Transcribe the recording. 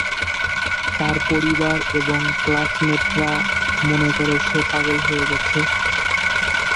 তার পরিবার এবং ক্লাস মেট রা মনে করে সে পাগল হয়ে গেছে।